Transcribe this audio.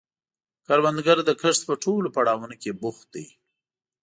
کروندګر د کښت په ټولو پړاوونو کې بوخت دی